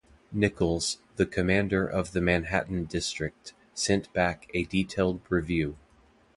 Nichols, the commander of the Manhattan District, sent back a detailed review.